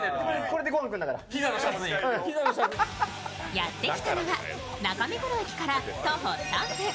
やって来たのが中目黒駅から徒歩３分。